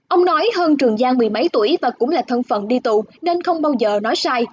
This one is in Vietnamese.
ông nói hơn trường giang mười mấy tuổi và cũng là thân phận đi tụ nên không bao giờ nói sai